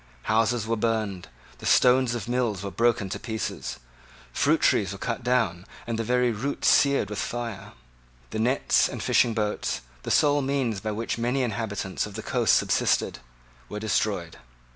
Houses were burned: the stones of mills were broken to pieces: fruit trees were cut down, and the very roots seared with fire. The nets and fishing boats, the sole means by which many inhabitants of the coast subsisted, were destroyed.